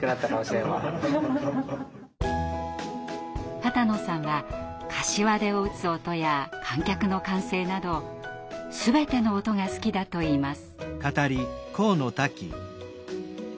波多野さんはかしわ手を打つ音や観客の歓声など全ての音が好きだといいます。